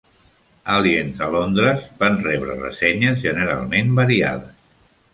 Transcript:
"Àliens a Londres" van rebre ressenyes generalment variades.